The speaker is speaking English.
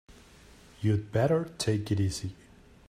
You'd better take it easy.